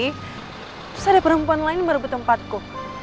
terus ada perempuan lain yang merubah tempatku